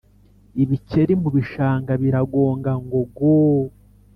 ibikeri mu bishanga biragonga ngo go